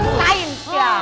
nah udah science ya